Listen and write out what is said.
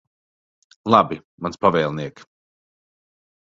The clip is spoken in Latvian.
Labi, mans pavēlniek.